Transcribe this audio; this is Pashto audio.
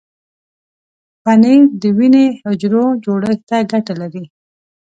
پنېر د وینې حجرو جوړښت ته ګټه لري.